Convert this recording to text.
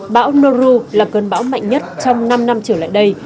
bão noru là cơn bão mạnh nhất trong năm năm trở lại đây